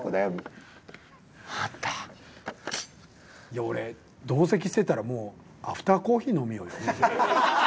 いや俺同席してたらもうアフターコーヒー飲みよるよ。